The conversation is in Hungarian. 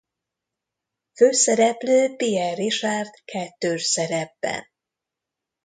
Főszereplő Pierre Richard kettős szerepben.